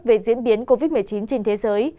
về diễn biến covid một mươi chín trên thế giới